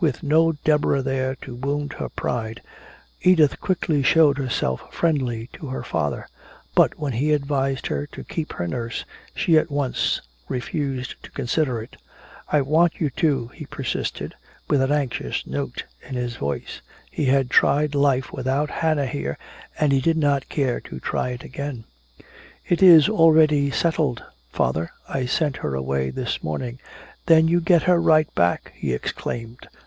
With no Deborah there to wound her pride, Edith quickly showed herself friendly to her father; but when he advised her to keep her nurse, she at once refused to consider it. "I want you to," he persisted, with an anxious note in his voice. He had tried life without Hannah here and he did not care to try it again. "It is already settled, father, I sent her away this morning." "Then you get her right back!" he exclaimed.